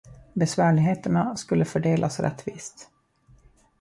Besvärligheterna skulle fördelas rättvist.